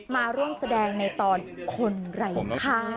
มาร่วมแสดงในตอนคนไร้ค่า